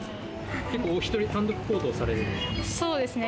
結構、単独行動されるんですか？